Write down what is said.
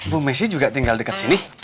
bu messi juga tinggal dekat sini